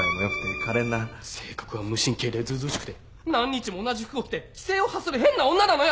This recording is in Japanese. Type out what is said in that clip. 性格は無神経でずうずうしくて何日も同じ服を着て奇声を発する変な女なのよ